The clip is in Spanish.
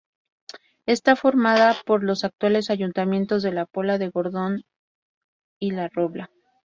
Está formada por los actuales ayuntamientos de La Pola de Gordón y La Robla.